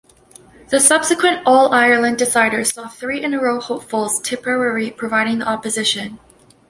The subsequent All-Ireland decider saw three-in-a-row hopefuls Tipperary providing the opposition.